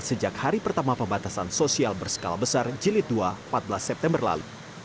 sejak hari pertama pembatasan sosial berskala besar jilid dua empat belas september lalu